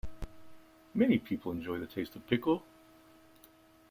Many people enjoy the taste of pickle.